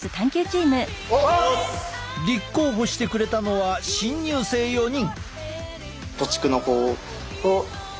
立候補してくれたのは新入生４人。